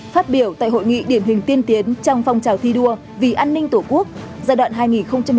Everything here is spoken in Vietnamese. phát biểu tại hội nghị điển hình tiên tiến trong phong trào thi đua vì an ninh tổ quốc giai đoạn hai nghìn một mươi chín hai nghìn hai mươi bốn